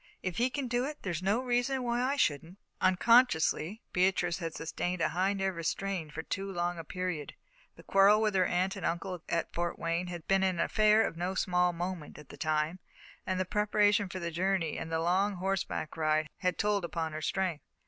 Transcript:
If he can do it, there's no reason why I shouldn't." Unconsciously, Beatrice had sustained a high nervous strain for too long a period. The quarrel with her aunt and uncle at Fort Wayne had been an affair of no small moment at the time, and the preparation for the journey and the long horseback ride had told upon her strength.